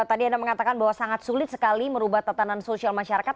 tadi anda mengatakan bahwa sangat sulit sekali merubah tatanan sosial masyarakat